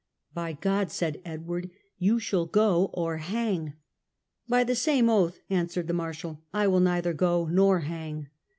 " By God," said Edward, " you shall go or hang." " By the same oath," answered the Mar shal, "I will neither go nor hang."